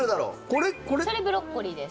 これそれブロッコリーです